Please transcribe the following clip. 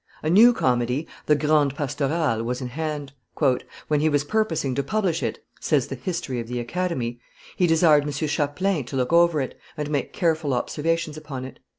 A new comedy, the Grande Pastorale, was in hand. "When he was purposing to publish it," says the History of the Academy, "he desired M. Chapelain to look over it, and make careful observations upon it.